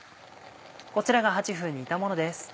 こちらが８分煮たものです。